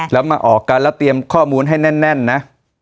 แล้วมาออกกันแล้วเตรียมข้อมูลให้แน่นนะ